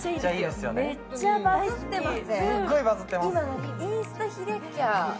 すっごいバズってます